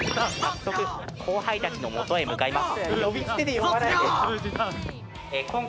後輩たちのもとへ向かいます。